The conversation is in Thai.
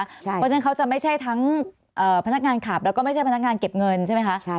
เพราะฉะนั้นเขาจะไม่ใช่ทั้งพนักงานขับแล้วก็ไม่ใช่พนักงานเก็บเงินใช่ไหมคะ